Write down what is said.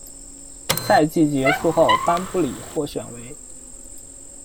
赛季结束后班布里获选为。